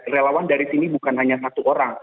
relawan dari sini bukan hanya satu orang